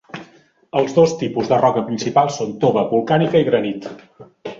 Els dos tipus de roca principal són tova volcànica i granit.